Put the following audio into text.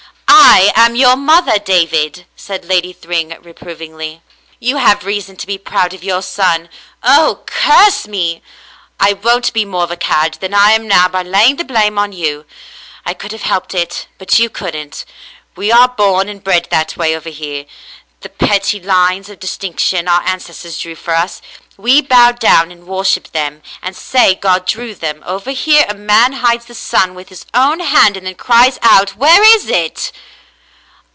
"I am your mother, David," said Lady Thryng, reprovingly. "You have reason to be proud of your son! Oh! curse me ! I won't be more of a cad than I am now by laying the blame on you. I could have helped it, but David and his Mother 295 you couldn't. We are born and bred that way, over here. The petty lines of distinction our ancestors drew for us, — we bow down and worship them, and say God drew them. Over here a man hides the sun with his own hand and then cries out, 'Where is it.